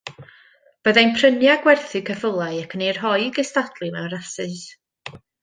Byddai'n prynu a gwerthu ceffylau ac yn eu rhoi i gystadlu mewn rasys.